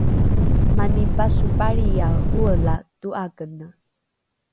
mani pasopalriae ’oela to’akene